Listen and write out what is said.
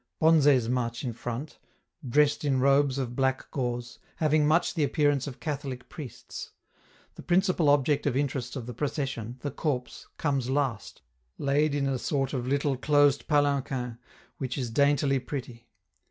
Bonzes march in front, dressed in robes of black gauze, having much the appearance of Catholic priests; the principal object of interest of the procession, the corpse, comes last, laid in a sort of little closed palanquin, which is daintily pretty.